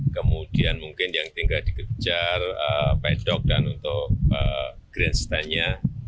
kemudian mungkin yang tinggal dikejar pedok dan untuk grandstandnya